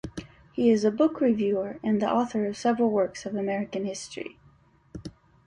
He is a book reviewer and the author of several works of American history.